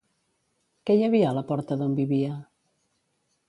Què hi havia a la porta d'on vivia?